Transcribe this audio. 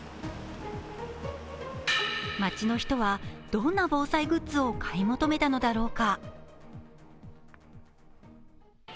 街の人はどんな防災グッズを買い求めたのだろうか。